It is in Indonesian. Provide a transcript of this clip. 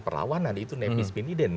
perlawanan itu nevis beniden